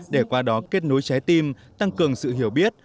để qua đó kết nối trái tim tăng cường sự hiểu biết